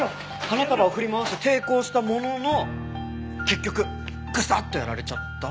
花束を振り回して抵抗したものの結局グサッとやられちゃった？